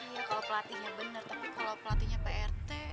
iya kalau pelatihnya benar tapi kalau pelatihnya prt